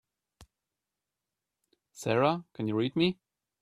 Sara can you read me?